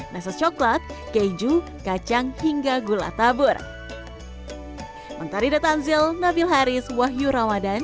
messa coklat keju kacang hingga gula tabur